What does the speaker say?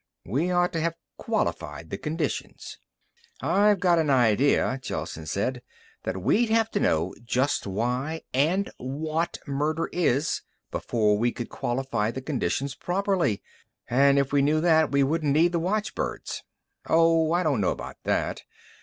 We ought to have qualified the conditions." "I've got an idea," Gelsen said, "that we'd have to know just why and what murder is, before we could qualify the conditions properly. And if we knew that, we wouldn't need the watchbirds." "Oh, I don't know about that.